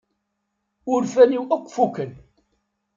Urfan-iw akk fukken.